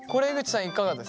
いかがですか？